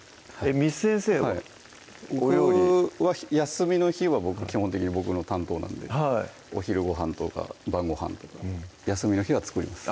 休みの日は基本的に僕の担当なんでお昼ごはんとか晩ごはんとか休みの日は作ります